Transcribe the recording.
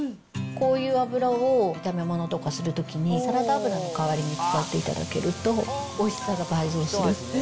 こういう油を炒め物とかするときに、サラダ油の代わりに使っていただけると、おいしさが倍増する。